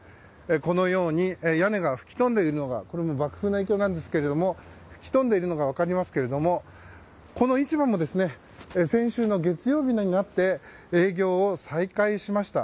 このように爆風の影響で屋根が吹き飛んでいるのが分かりますけどこの市場も先週の月曜日になって営業を再開しました。